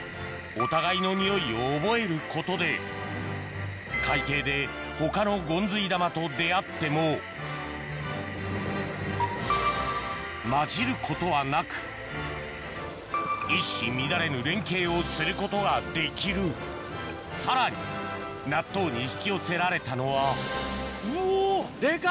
お互いのにおいを覚えることで海底で他のゴンズイ玉と出合っても交じることはなく一糸乱れぬ連携をすることができるさらに納豆に引き寄せられたのはうわ。